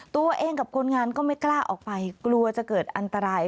ตัวเองกับคนงานก็ไม่กล้าออกไปกลัวจะเกิดอันตราย